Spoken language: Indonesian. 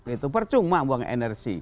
itu percuma buang energi